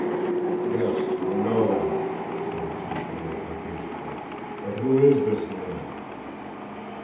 "Yes, I know that," said the chief a little impatiently. "But who is this man?"